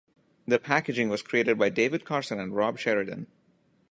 The packaging was created by David Carson and Rob Sheridan.